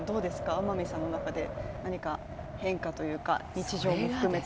天海さんの中で何か変化というか、日常も含めて。